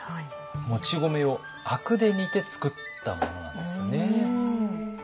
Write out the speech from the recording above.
もち米を灰汁で煮て作ったものなんですよね。